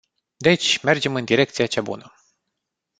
Deci, mergem în direcția cea bună.